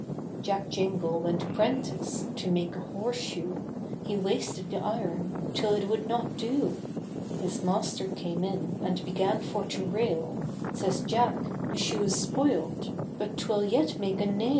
Jack Jingle went âprentice, To make a horse shoe, He wasted the Iron, âTill it would not do; His master came in, And began for to rail, Says Jack, the shoeâs spoilâd, But âtwill yet make a nail.